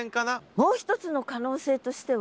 もう一つの可能性としては。